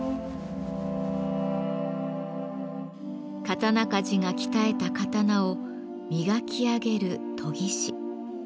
刀鍛冶が鍛えた刀を磨き上げる研ぎ師。